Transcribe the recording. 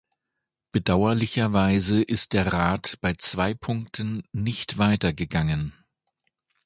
Bedauerlicherweise ist der Rat bei zwei Punkten nicht weiter gegangen.